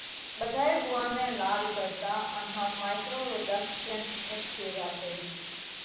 ٻڌائي اُوئا نئہ لاڏ ڪرتا ان هم مائيترون رو ۮک ڪينڪ گھٽ ٿي ڳيو۔